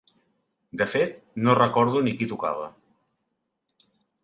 De fet, no recordo ni qui tocava.